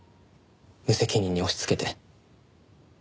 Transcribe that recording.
無責任に押しつけて。